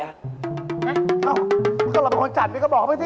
อ้าวเพราะว่าเราเป็นคนจัดนี่ก็บอกไหมสิ